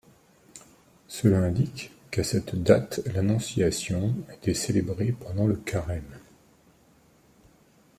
Cela indique qu’à cette date l’Annonciation était célébrée pendant le Carême.